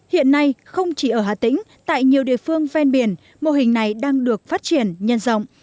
hiện nay không chỉ ở hà tĩnh tại nhiều địa phương ven biển mô hình này đang được phát triển nhân rộng